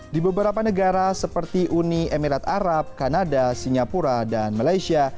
di beberapa negara seperti uni emirat arab kanada singapura dan malaysia